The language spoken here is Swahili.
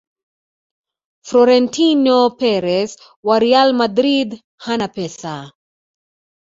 frorentino perez wa real madrid hana pesa